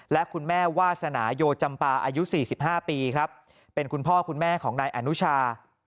และคุณแม่วาสนาโยจำปาอายุ๔๕ปีครับเป็นคุณพ่อคุณแม่ของนายอนุชา